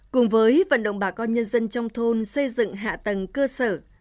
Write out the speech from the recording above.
cùng với vận động bà con nhân dân trong thôn xây dựng hạ tầng cơ sở